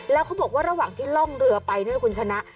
แล้วเขาบอกว่าระหว่างที่ล่องเรือไปนะคุณชนะ